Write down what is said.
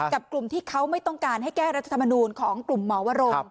กับกลุ่มที่เขาไม่ต้องการให้แก้รัฐธรรมนูลของกลุ่มหมอวรง